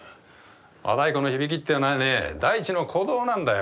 和太鼓の響きっていうのはねえ大地の鼓動なんだよ。